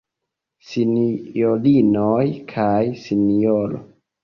Sinjorinoj kaj Sinjoro.